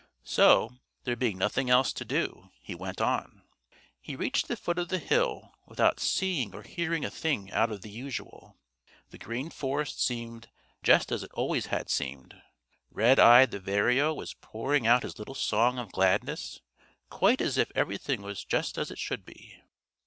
So, there being nothing else to do, he went on. He reached the foot of the hill without seeing or hearing a thing out of the usual. The Green Forest seemed just as it always had seemed. Redeye the Vireo was pouring out his little song of gladness, quite as if everything was just as it should be.